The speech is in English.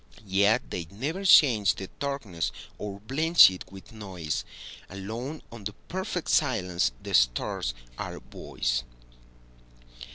Yet they never change the darknessOr blench it with noise; Alone on the perfect silenceThe stars are buoys.